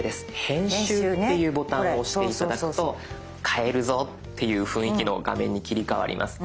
編集っていうボタンを押して頂くと変えるぞっていう雰囲気の画面に切り替わります。